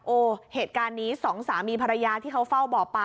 เหตุการณ์นี้สองสามีภรรยาที่เขาเฝ้าบ่อปลา